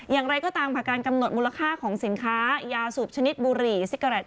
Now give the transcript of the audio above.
อย่างไรก็ตามผ่านการกำหนดมูลค่าของสินค้ายาสูบชนิดบุหรี่ซิโกแลต